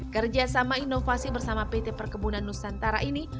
kerjasama inovasi bersama pt perkebunan nusantara ini